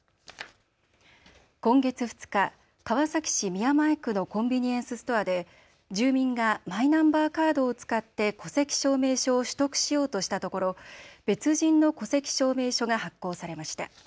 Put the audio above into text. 今月２日、川崎市宮前区のコンビニエンスストアで住民がマイナンバーカードを使って戸籍証明書を取得しようとしたところ別人の戸籍証明書が発行されました。